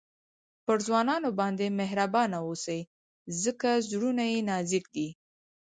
پر ځوانانو باندي مهربانه واوسئ؛ ځکه زړونه ئې نازک دي.